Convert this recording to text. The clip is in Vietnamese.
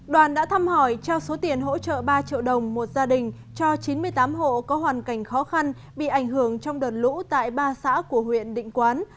đoàn đã thăm hỏi trao số tiền hỗ trợ ba triệu đồng một gia đình cho chín mươi tám hộ có hoàn cảnh khó khăn bị ảnh hưởng trong đợt lũ tại ba xã của huyện định quán